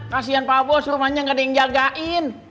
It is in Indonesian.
kasian pabos rumahnya gak ada yang jagain